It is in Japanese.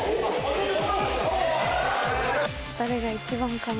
誰が一番かな？